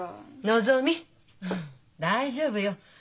のぞみ大丈夫よ。